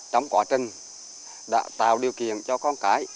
trong quá trình đã tạo điều kiện cho con cái